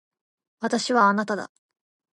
私はあなただ。